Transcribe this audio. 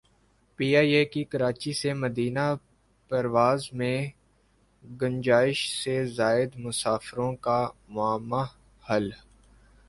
P I A کی کراچی سے مدینہ پرواز میں گنجائش سے زائد مسافروں کا معمہ حل